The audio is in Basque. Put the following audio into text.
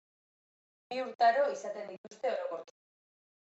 Bi urtaro izaten dituzte orokorki.